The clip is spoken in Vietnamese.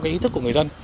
cái ý thức của người dân